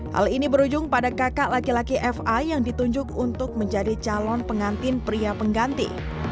hal ini berujung pada kakak laki laki fa yang ditunjuk untuk menjadi calon pengantin pria pengganti